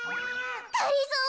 がりぞー？